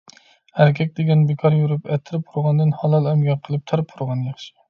ئەركەك دېگەن بىكار يۈرۈپ ئەتىر پۇرىغاندىن، ھالال ئەمگەك قىلىپ تەر پۇرىغان ياخشى.